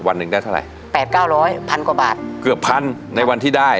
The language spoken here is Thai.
วันหนึ่งได้เท่าไหร่แปดเก้าร้อยพันกว่าบาทเกือบพันในวันที่ได้